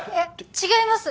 違います